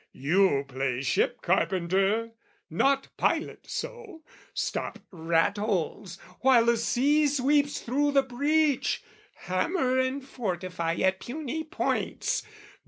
"You play ship carpenter, not pilot so, "Stop rat holes, while a sea sweeps through the breach, "Hammer and fortify at puny points!